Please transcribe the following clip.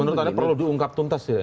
menurut anda perlu diungkap tuntas ya